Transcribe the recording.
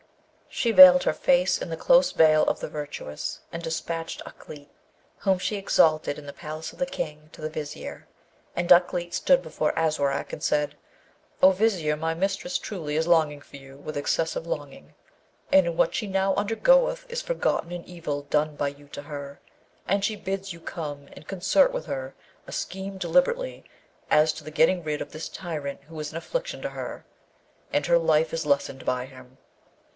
So she veiled her face in the close veil of the virtuous, and despatched Ukleet, whom she exalted in the palace of the King, to the Vizier; and Ukleet stood before Aswarak, and said, 'O Vizier, my mistress truly is longing for you with excessive longing, and in what she now undergoeth is forgotten an evil done by you to her; and she bids you come and concert with her a scheme deliberately as to the getting rid of this tyrant who is an affliction to her, and her life is lessened by him.'